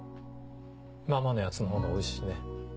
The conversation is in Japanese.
ママのやつのほうがおいしいね。